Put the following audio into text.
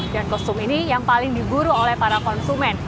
dan kostum ini yang paling diburu oleh para konsumen